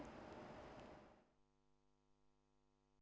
cảm ơn quý vị và các bạn đã theo dõi